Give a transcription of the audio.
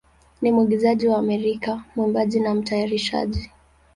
ni mwigizaji wa Amerika, mwimbaji, na mtayarishaji.